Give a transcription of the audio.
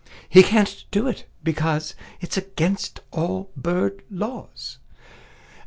He can't do it, because 'T is against all bird laws.